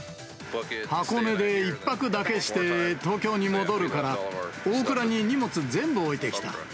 箱根で１泊だけして、東京に戻るから、オークラに荷物、全部置いてきた。